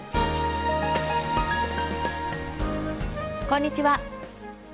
こんにちは。